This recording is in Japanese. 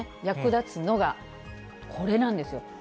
役立つのがこれなんですよ。